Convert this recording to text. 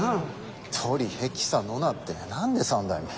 トリヘキサノナって何で３台も。